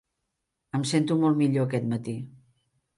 Em sento molt millor aquest matí.